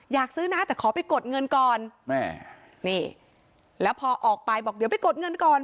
อยากซื้อนะแต่ขอไปกดเงินก่อนแม่นี่แล้วพอออกไปบอกเดี๋ยวไปกดเงินก่อน